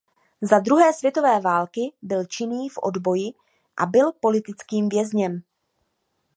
Za druhé světové války byl činný v odboji a byl politickým vězněm.